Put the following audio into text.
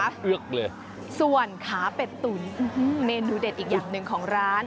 เอือกเลยส่วนขาเป็ดตุ๋นเมนูเด็ดอีกอย่างหนึ่งของร้าน